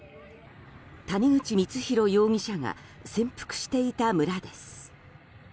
谷口光弘容疑者が潜伏していた村です。